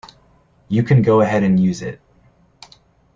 You can go ahead and use it'.